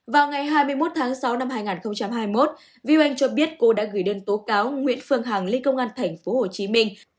vào ngày hai mươi một tháng sáu năm hai nghìn hai mươi một vi oanh cho biết cô đã gửi đơn tố cáo nguyễn phương hằng lên công an thành phố hồ chí minh